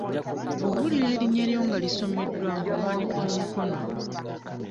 Bw'owulira erinnya lyo nga lisomeddwa nga owanika omukono.